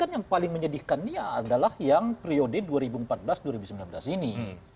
yang menyedihkannya adalah yang priode dua ribu empat belas dua ribu sembilan belas ini